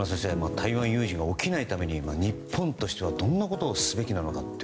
台湾有事が起きないために日本としてはどんなことをすべきなのか。